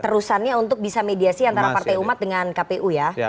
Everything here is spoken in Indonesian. terusannya untuk bisa mediasi antara partai umat dengan kpu ya